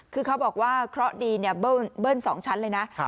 คือเขาบอกว่าเคราะห์ดีเนี่ยเบิ้ล๒ชั้นเลยนะ